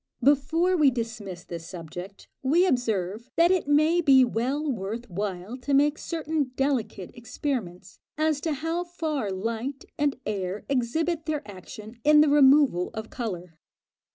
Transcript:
Before we dismiss this subject, we observe [Pg 240] that it may be well worth while to make certain delicate experiments as to how far light and air exhibit their action in the removal of colour.